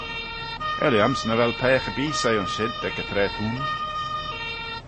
Er lhiams nagh vel peiagh erbee soie ayns shid ec y traa t'ayn.